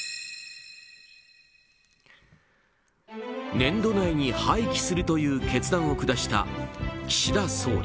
年度内に廃棄するという決断を下した岸田総理。